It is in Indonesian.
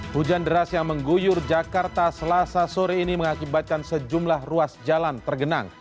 hujan deras yang mengguyur jakarta selasa sore ini mengakibatkan sejumlah ruas jalan tergenang